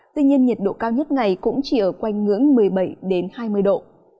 tuy nhiên nhiệt độ cao nhất ngày cũng chỉ ở quanh ngưỡng một mươi bảy hai mươi độ